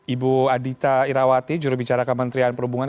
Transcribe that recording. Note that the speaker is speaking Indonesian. ibu adita irawati jurubicara kementerian perhubungan